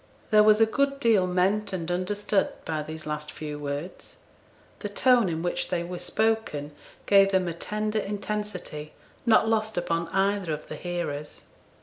There was a good deal meant and understood by these last few words. The tone in which they were spoken gave them a tender intensity not lost upon either of the hearers.